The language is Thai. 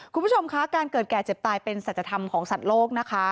คุณผู้ชมคะการเกิดแก่เจ็บตายเป็นสัจธรรมของสัตว์โลกนะคะ